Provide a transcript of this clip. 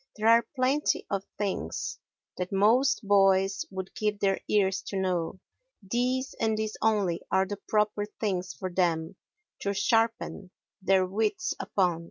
There are plenty of things that most boys would give their ears to know, these and these only are the proper things for them to sharpen their wits upon.